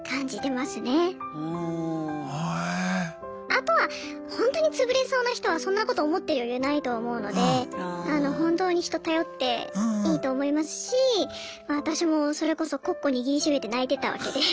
あとはほんとに潰れそうな人はそんなこと思ってる余裕ないと思うので本当に人頼っていいと思いますし私もそれこそＣｏｃｃｏ握りしめて泣いてたわけで。